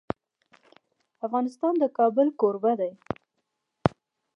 افغانستان د کابل کوربه دی.